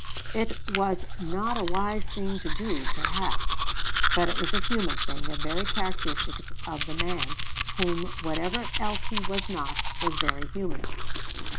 It was not a wise thing to do, perhaps, but it was a human thing, and very characteristic of the man, who, whatever else he was not, was very human.